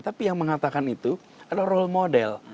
tapi yang mengatakan itu adalah role model